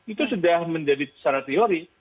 itu sudah menjadi secara teori